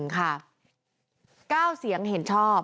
๙เสียงเห็นชอบ